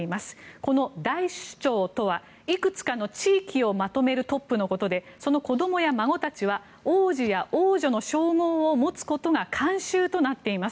この大首長とはいくつかの地域をまとめるトップのことでその子供や孫たちは王子や王女の称号を持つことが慣習となっています。